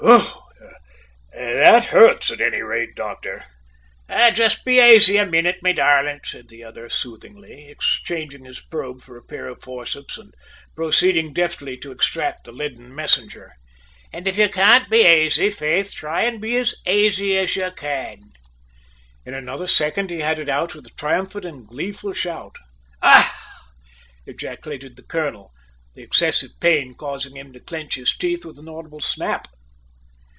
"Whew! that hurts at any rate, doctor!" "Just be aisy a minnit, me darlint," said the other soothingly, exchanging his probe for a pair of forceps and proceeding deftly to extract the leaden messenger. "An' if ye can't be aisy, faith, try an' be as aisy as ye can!" In another second he had it out with a triumphant and gleeful shout. "Ah!" ejaculated the colonel, the excessive pain causing him to clench his teeth with an audible snap.